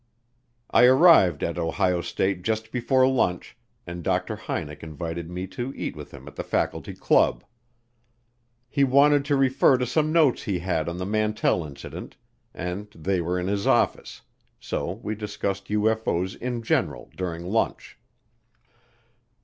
I arrived at Ohio State just before lunch, and Dr. Hynek invited me to eat with him at the faculty club. He wanted to refer to some notes he had on the Mantell Incident and they were in his office, so we discussed UFO's in general during lunch.